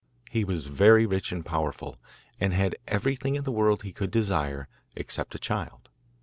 He was very rich and powerful, and had everything in the world he could desire except a child.